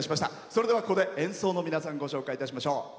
それでは、ここで演奏の皆さんご紹介します。